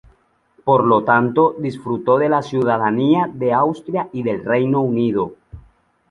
Por lo tanto, disfrutó de la ciudadanía de Austria y del Reino Unido.